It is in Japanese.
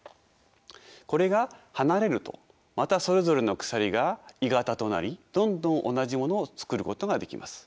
これが離れるとまたそれぞれの鎖が鋳型となりどんどん同じものを作ることができます。